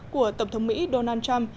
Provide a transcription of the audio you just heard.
của tổng thống mỹ donald trump